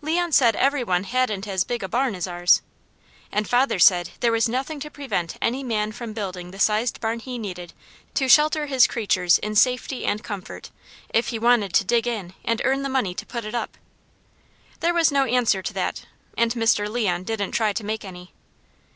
Leon said every one hadn't as big a barn as ours, and father said there was nothing to prevent any man from building the sized barn he needed to shelter his creatures in safety and comfort, if he wanted to dig in and earn the money to put it up. There was no answer to that, and Mr. Leon didn't try to make any.